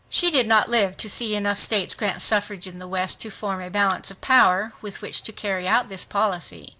." She did not live to see enough states grant suffrage in the West to form a balance of power with which to carry out this policy.